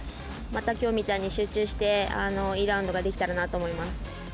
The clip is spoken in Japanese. またきょうみたいに集中して、いいラウンドができたらなと思います。